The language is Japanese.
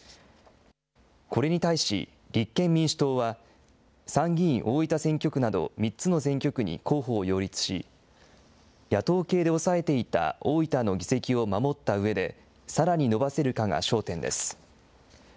これに対し、立憲民主党は、参議院大分選挙区など３つの選挙区に候補を擁立し、野党系で押さえていた大分の議席を守ったうえで、さらに伸ばせるかが焦点です。